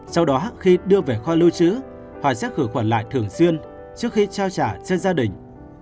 sau đó khi đưa về khoa lưu trữ họ sẽ khử khuẩn lại thường xuyên trước khi trao trả trên gia đình